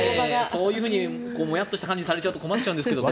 そういうふうにモヤっとした感じにされると困っちゃうんですけど。